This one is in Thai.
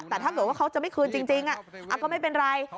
แต่ถ้าเกิดว่าเขาจะไม่คืนจริงก็ไม่เป็นไร